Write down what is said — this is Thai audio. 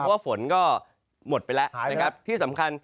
เพราะว่าฝนก็หมดไปแล้วนะครับที่สำคัญ